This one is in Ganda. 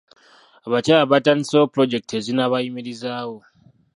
Abakyala batandisewo pulojekiti ezinaabayimirizawo.